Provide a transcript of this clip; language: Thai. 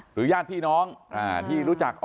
หรือย่านพี่น้องที่รู้จัก